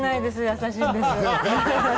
優しいです。